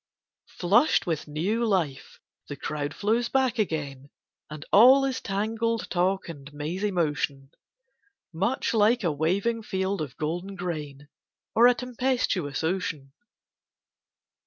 Flushed with new life, the crowd flows back again: And all is tangled talk and mazy motion— Much like a waving field of golden grain, Or a tempestuous ocean.